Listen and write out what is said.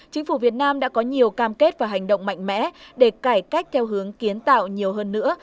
chính phủ việt nam đã có nhiều cam kết và hành động mạnh mẽ để cải cách theo hướng kiến tạo nhiều hơn nữa